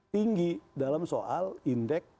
tinggi dalam soal indeks